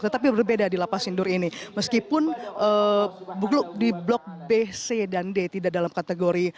tetapi berbeda di lapas sindur ini meskipun di blok b c dan d tidak dalam kategori